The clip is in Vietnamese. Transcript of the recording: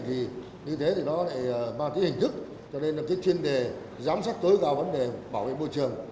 vì như thế thì nó lại mang cái hình thức cho nên là cái chuyên đề giám sát tối cao vấn đề bảo vệ môi trường